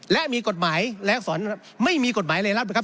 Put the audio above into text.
และมีกฎหมายและสอนไม่มีกฎหมายรายรับนะครับ